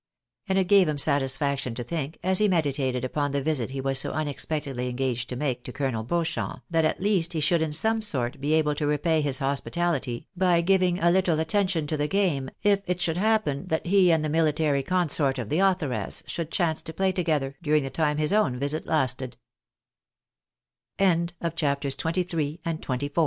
And it gave him satisfaction to think, as he meditated upon the visit he was so unexpectedly engaged to make, to Colonel Beauchamp, that at least he should in some sort be able to repay his hospitality by giving a little attention to the game, if it should happen that he and the mihtary consort of the authoress should chance to play together during the time his own visit lasted. CHAPTEE XXV. All preliminaries